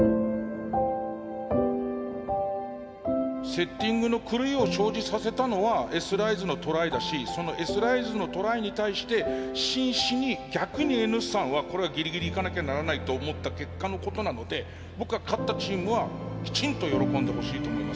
セッティングの狂いを生じさせたのはＳライズのトライだしそのＳライズのトライに対して真摯に逆にＮ産はこれはギリギリいかなきゃならないと思った結果のことなので僕は勝ったチームはきちんと喜んでほしいと思いますね。